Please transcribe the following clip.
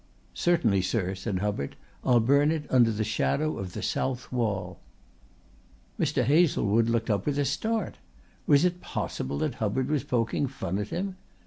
"Certainly, sir," said Hubbard. "I'll burn it under the shadow of the south wall." Mr. Hazlewood looked up with a start. Was it possible that Hubbard was poking fun at him?